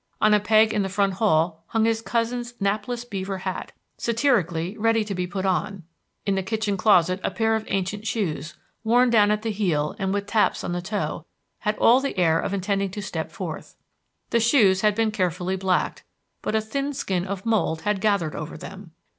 On a peg in the front hall hung his cousin's napless beaver hat, satirically ready to be put on; in the kitchen closet a pair of ancient shoes, worn down at the heel and with taps on the toe, had all the air of intending to step forth. The shoes had been carefully blacked, but a thin skin of mould had gathered over them.